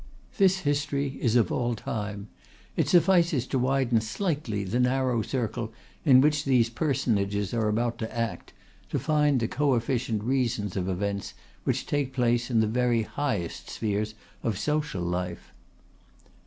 This history is of all time; it suffices to widen slightly the narrow circle in which these personages are about to act to find the coefficient reasons of events which take place in the very highest spheres of social life.